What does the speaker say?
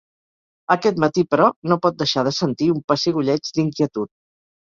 Aquest matí, però, no pot deixar de sentir un pessigolleig d'inquietud.